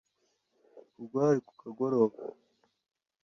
ubwo hari ku kagoroba,